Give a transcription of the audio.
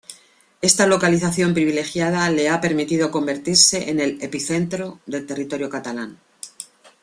Esta localización privilegiada le ha permitido convertirse en el epicentro del territorio catalán.